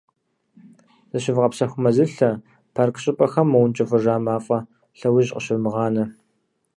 Зыщывгъэпсэху мэзылъэ, парк щӀыпӀэхэм мыункӀыфӀыжа мафӀэ лъэужь къыщывмыгъанэ.